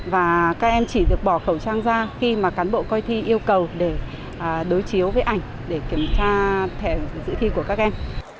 và các em chỉ được bỏ khẩu trang ra khi mà cán bộ coi thi yêu cầu để đối chiếu với ảnh để kiểm tra thẻ dự thi của các em